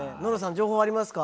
情報ありますか？